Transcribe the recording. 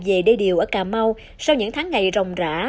chuyên gia về đê điều ở cà mau sau những tháng ngày rồng rã